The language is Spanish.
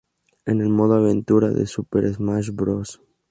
En el modo aventura de "Super Smash Bros.